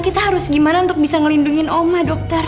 kita harus gimana untuk bisa ngelindungin oma dokter